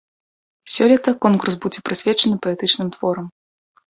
Сёлета конкурс будзе прысвечаны паэтычным творам.